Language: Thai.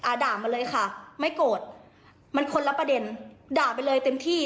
ด่ามาเลยค่ะไม่โกรธมันคนละประเด็นด่าไปเลยเต็มที่